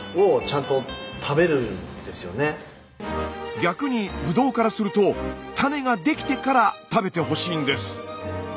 逆にブドウからすると種が出来てから食べてほしいんです。